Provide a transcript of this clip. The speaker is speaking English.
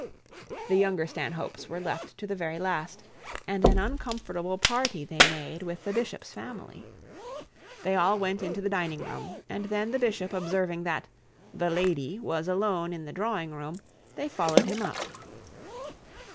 The younger Stanhopes were left to the very last, and an uncomfortable party they made with the bishop's family. They all went into the dining room, and then the bishop observing that the 'lady' was alone in the drawing room, they followed him up.